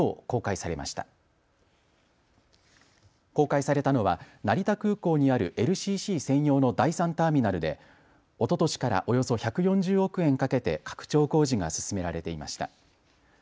公開されたのは成田空港にあるＬＣＣ専用の第３ターミナルでおととしからおよそ１４０億円かけて拡張工事が進められていました。